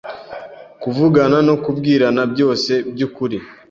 kuvugana no kubwirana byose by’ukuri.